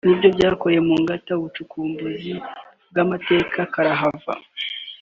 nabyo byakoreye mu ngata Ubucukumbuzi bw’amateka karahava